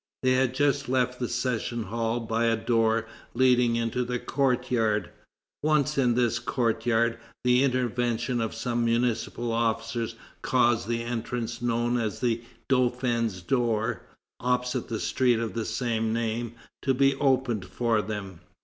They had just left the session hall by a door leading into the courtyard. Once in this courtyard, the intervention of some municipal officers caused the entrance known as the Dauphin's door, opposite the street of the same name, to be opened for them.